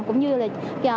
cũng như là chia sẻ về